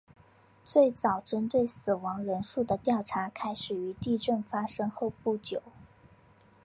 最早针对死亡人数的调查开始于地震发生后不久。